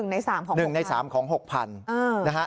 ๑ใน๓ของ๖๐๐๐บาท๑ใน๓ของ๖๐๐๐บาท